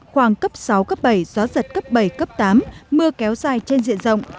khoảng cấp sáu cấp bảy gió giật cấp bảy cấp tám mưa kéo dài trên diện rộng